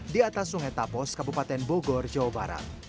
di atas sungai tapos kabupaten bogor jawa barat